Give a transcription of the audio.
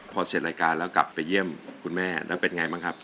พอเสร็จรายการแล้วกลับไปเยี่ยมคุณแม่แล้วเป็นไงบ้างครับ